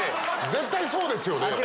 絶対そうですよね。